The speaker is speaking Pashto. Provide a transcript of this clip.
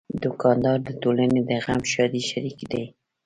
دوکاندار د ټولنې د غم ښادۍ شریک دی.